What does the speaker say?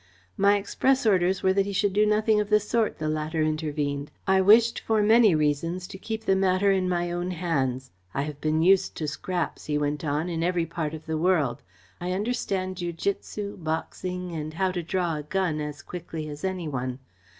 "My express orders were that he should do nothing of the sort," the latter intervened. "I wished, for many reasons, to keep the matter in my own hands. I have been used to scraps," he went on, "in every part of the world. I understand jiu jitsu, boxing and how to draw a gun as quickly as any one.